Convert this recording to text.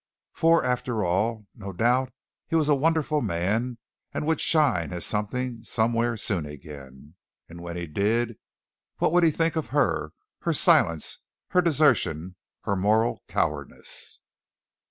For, after all, no doubt he was a wonderful man and would shine as something somewhere soon again. And when he did what would he think of her her silence, her desertion, her moral cowardice?